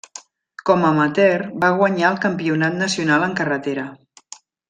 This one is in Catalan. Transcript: Com a amateur va guanyar el campionat nacional en carretera.